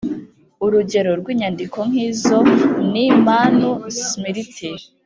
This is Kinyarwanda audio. urugero rw’inyandiko nk’izo ni manu smriti